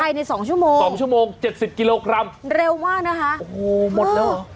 ในสองชั่วโมงสองชั่วโมงเจ็ดสิบกิโลกรัมเร็วมากนะคะโอ้โหหมดแล้วเหรอ